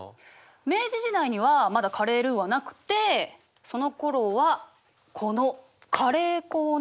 明治時代にはまだカレールーはなくてそのころはこのカレー粉をね使って料理してたの。